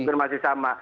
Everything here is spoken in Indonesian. ya mungkin masih sama